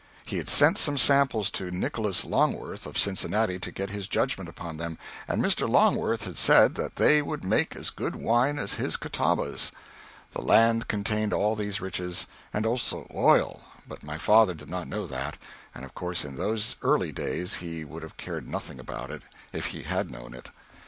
He had sent some samples to Nicholas Longworth, of Cincinnati, to get his judgment upon them, and Mr. Longworth had said that they would make as good wine as his Catawbas. The land contained all these riches; and also oil, but my father did not know that, and of course in those early days he would have cared nothing about it if he had known it.